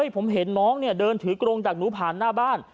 ผมเห็นน้องเดินถือกรงดักหนูผ่านหน้าบ้าน